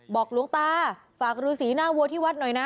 หลวงตาฝากรูสีหน้าวัวที่วัดหน่อยนะ